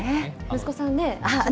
息子さんね。